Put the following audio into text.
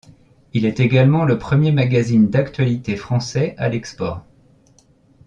Il est également le premier magazine d'actualité français à l’export.